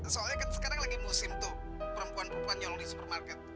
soalnya sekarang lagi musim perempuan perempuan nyolong di supermarket